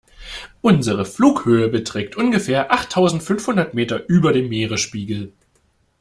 Unsere Flughöhe beträgt ungefähr achttausendfünfhundert Meter über dem Meeresspiegel.